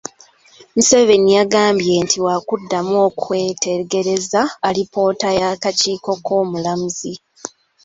Museveni yagambye nti waakuddamu okwetegereza alipoota y'akakiiko k'Omulamuzi